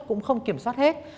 cũng không kiểm soát hết